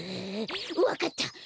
ううわかった！